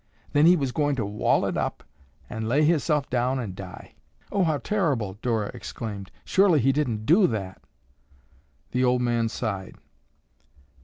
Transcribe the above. Then he was goin' to wall it up, an' lay hisself down an' die." "Oh, how terrible!" Dora exclaimed. "Surely he didn't do that?" The old man sighed.